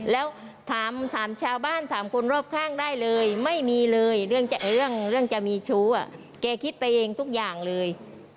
เขาจะทำให้ตัวเองดูดีเป็นคนที่ตาย